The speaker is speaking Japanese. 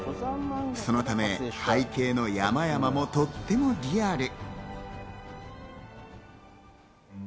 そのため、背景の山々もとってもリアル。